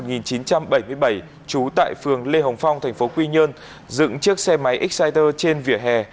trú tại phường lê hồng phong tp quy nhơn dựng chiếc xe máy exciter trên vỉa hè